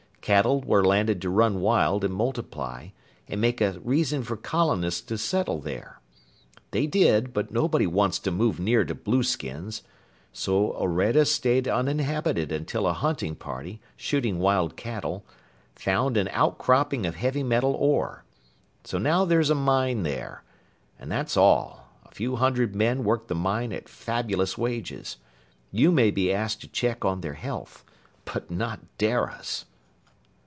Cattle were landed to run wild and multiply and make a reason for colonists to settle there. "They did, but nobody wants to move near to blueskins! So Orede stayed uninhabited until a hunting party, shooting wild cattle, found an outcropping of heavy metal ore. So now there's a mine there. And that's all. A few hundred men work the mine at fabulous wages. You may be asked to check on their health. But not Dara's!"